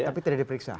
tapi tidak diperiksa